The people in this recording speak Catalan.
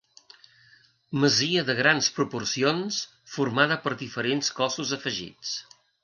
Masia de grans proporcions, formada per diferents cossos afegits.